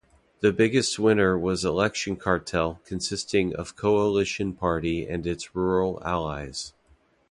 The biggest winner was election cartel consisting of Coalition Party and its rural allies.